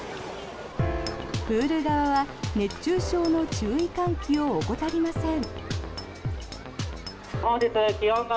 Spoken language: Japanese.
プール側は熱中症の注意喚起を怠りません。